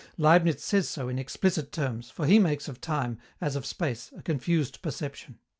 Leibniz says so in explicit terms, for he makes of time, as of space, a confused perception.